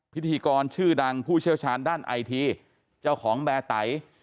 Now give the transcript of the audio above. พิธีกรชื่อดังผู้เชี่ยวชาญด้านไอทีเจ้าของแบร์ไต